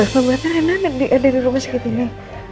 memang rina ada di rumah sakit ini